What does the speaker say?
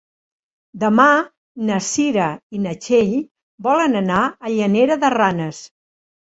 Demà na Cira i na Txell volen anar a Llanera de Ranes.